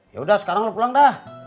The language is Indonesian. ya udah sekarang lo pulang dah